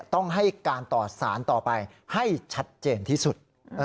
ต้องให้การต่อสารต่อไปให้ชัดเจนที่สุด